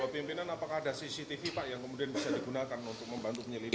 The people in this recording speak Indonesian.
pimpinan apakah ada cctv pak yang kemudian bisa digunakan untuk membantu penyelidikan